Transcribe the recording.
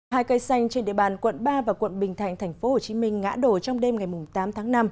hai cây xanh trên địa bàn quận ba và quận bình thạnh tp hcm ngã đổ trong đêm ngày tám tháng năm